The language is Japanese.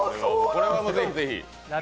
これは、もうぜひぜひ。